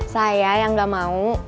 saya yang gak mau